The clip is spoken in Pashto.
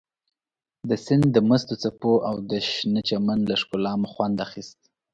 د سیند د مستو څپو او د شنه چمن له ښکلا مو خوند اخیست.